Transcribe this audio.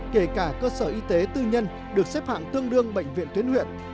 kể cả cơ sở y tế tư nhân được xếp hạng tương đương bệnh viện tuyến huyện